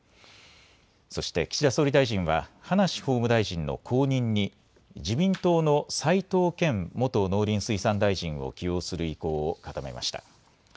そして、岸田総理大臣は葉梨法務大臣の後任に、自民党の齋藤健元農林水産大臣を起用する意向を固めました。